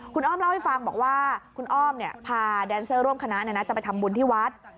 คุณอ้อมเล่าให้ฟังบอกว่าคุณอ้อมพาแดนเซอร์ร่วมคณะจะไปทำบุญที่วัด